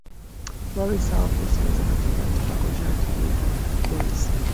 Flournoy served as an executive at tobacco giant Philip Morris.